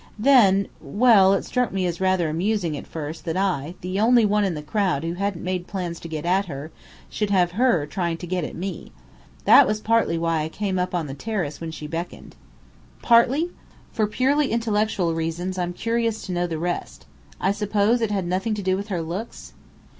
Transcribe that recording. Then well, it struck me as rather amusing at first that I, the only one in the crowd who hadn't made plans to get at her, should have her trying to get at me. That was partly why I came up on the terrace when she beckoned." "Partly? For purely intellectual reasons I'm curious to know the rest. I suppose it had nothing to do with her looks?"